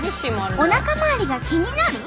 おなか回りが気になる？